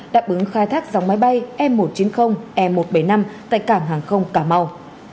đáp ứng khai thác dòng máy bay e một trăm chín mươi e một trăm bảy mươi năm tại cảng hàng không cà mau